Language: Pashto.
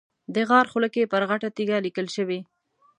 د غار خوله کې پر غټه تیږه لیکل شوي.